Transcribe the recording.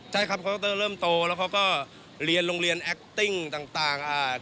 ใช่ครับเคาน์เตอร์เริ่มโตแล้วเขาก็เรียนโรงเรียนแอคติ้งต่าง